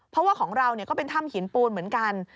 เพราะว่าของเราก็เป็นถ้ำหินปูนเหมือนกัน